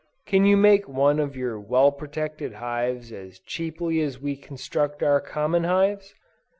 Can you make one of your well protected hives as cheaply as we construct our common hives?